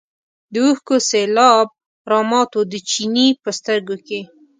د اوښکو سېلاب رامات و د چیني په سترګو کې.